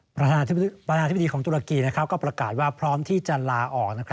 ประธานาธิบดีของตุรกีก็ประกาศว่าพร้อมที่จะลาออก